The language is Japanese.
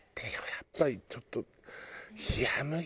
やっぱりちょっと。